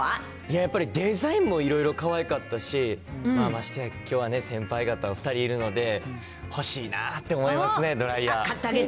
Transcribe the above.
やっぱりデザインもかわいかったし、ましてやきょうはね、先輩方２人いるので、欲しいなって思いますね、ドライヤー。